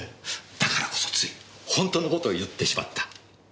だからこそついホントのことを言ってしまった。